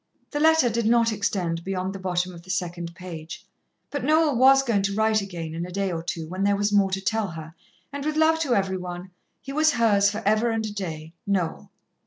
The letter did not extend beyond the bottom of the second page, but Noel was going to write again in a day or two, when there was more to tell her, and with love to every one, he was hers for ever and a day, Noel.